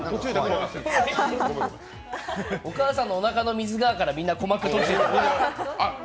お母さんのおなかの水がからみんな鼓膜閉じてる。